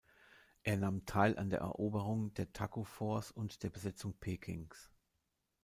Er nahm teil an der Eroberung der Taku-Forts und der Besetzung Pekings.